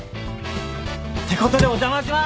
てことでお邪魔します！